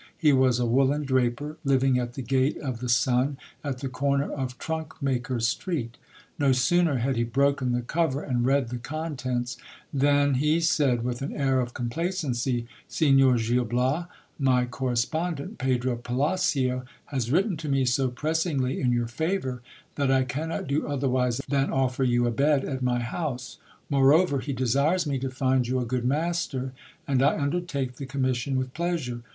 He was a woollen draper, living at the gate of the Sun, at the corner of Trunkmaker street. No sooner had he broken the cover and read the con tents, than he said with an air of complacency — Signor Gil Bias, my corre spondent, Pedro Palacio, has written to me so pressingly in your favour, that I cannot do otherwise than offer you a bed at my house ; moreover, he desires me to find you a good master, and I undertake the commission with pleasure.